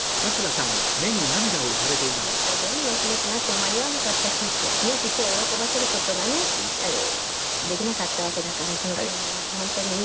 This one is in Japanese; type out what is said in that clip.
もしもそれが月曜日に配達になったらどんなにお気持ちがあっても間に合わなかったし師匠を喜ばせる事がねできなかったわけだからその点は本当にね。